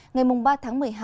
ngày ba tháng một mươi hai